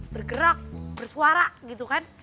bergerak bersuara gitu kan